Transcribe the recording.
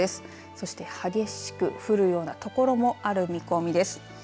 そして、激しく降るようなところもある見込みです。